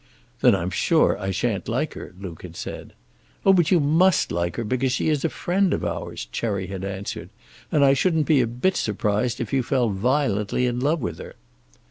"Then I'm sure I shan't like her," Luke had said. "Oh, but you must like her, because she is a friend of ours," Cherry had answered; "and I shouldn't be a bit surprised if you fell violently in love with her."